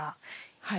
はい。